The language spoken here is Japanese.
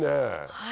はい。